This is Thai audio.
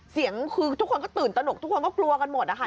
เสียงคือทุกคนก็ตื่นตนกทุกคนก็กลัวกันหมดนะคะ